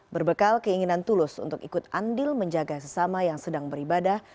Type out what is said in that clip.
berbekal keinginan tulus untuk ikut andil menjaga sesama yang sedang beribadah